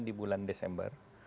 di bulan desember